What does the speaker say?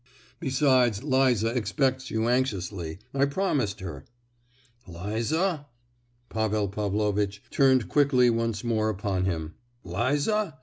"Besides Liza expects you anxiously—I promised her." "Liza?" Pavel Pavlovitch turned quickly once more upon him. "Liza?